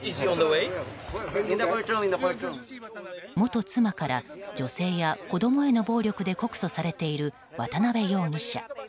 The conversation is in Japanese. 元妻から女性や子供への暴力で告訴されている渡辺容疑者。